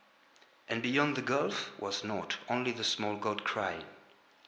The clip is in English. And beyond the gulf was nought, only the small god crying.